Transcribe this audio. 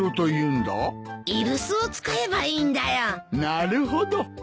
なるほど！